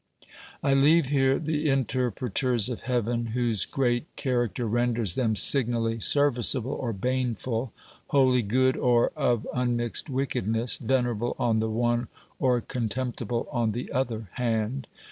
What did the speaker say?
I leave here the interpreters of heaven whose great char acter renders them signally serviceable or baneful, wholly good or of unmixed wickedness, venerable on the one or contemptible on the other hand.